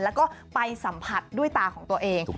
แล้วก็ไปสัมผัสด้วยตาของตัวเอง